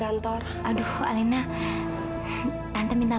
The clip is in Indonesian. ya sama sama tante om mari